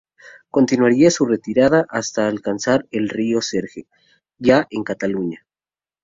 Continuaría su retirada hasta alcanzar el río Segre, ya en Cataluña.